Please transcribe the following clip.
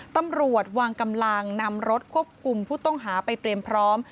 ตำรวจวางกำลังนำรถควบคุมผู้ต้องหาไปเตรียมพร้อม